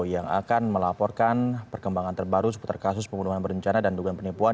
yang akan melaporkan perkembangan terbaru seputar kasus pembunuhan berencana dan dugaan penipuan